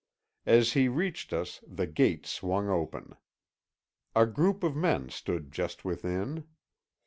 As he reached us the gate swung open. A group of men stood just within.